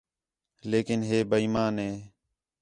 لیکن ہِے بے ایمان ہِے